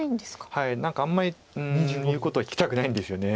はいあんまり言うことを聞きたくないんですよね。